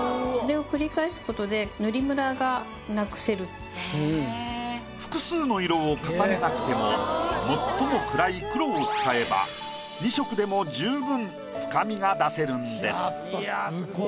再び複数の色を重ねなくても最も暗い黒を使えば２色でも十分深みが出せるんです。